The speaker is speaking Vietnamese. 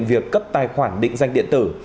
việc cấp tài khoản định danh điện tử